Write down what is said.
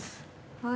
はい。